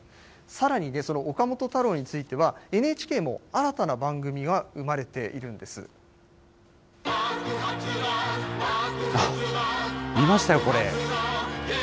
さらに、その岡本太郎については、ＮＨＫも新たな番組が生まれてい見ましたよ、これ。